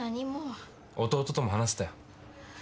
弟とも話せたよ。